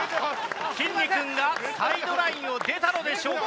きんに君がサイドラインを出たのでしょうか？